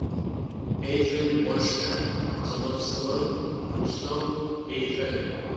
Эйфел башнэр зыгъэпсыгъэр Густав Эйфел.